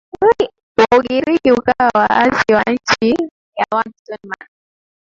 wa Uigiriki ukawa waasi na chini ya Wattoman